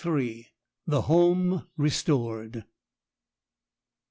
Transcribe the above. THE HOME RESTORED.